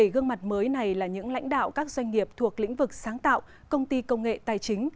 bảy gương mặt mới này là những lãnh đạo các doanh nghiệp thuộc lĩnh vực sáng tạo công ty công nghệ tài chính